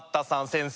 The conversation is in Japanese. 先生！